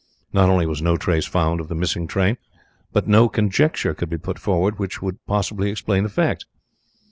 Not only was no trace found of the missing train, but no conjecture could be put forward which could possibly explain the facts.